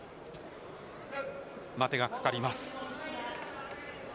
待てがかかります。